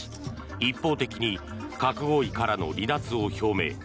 一方的に核合意からの離脱を表明。